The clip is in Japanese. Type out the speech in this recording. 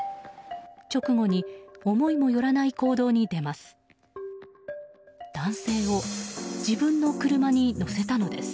直後に思いもよらない行動に出ます。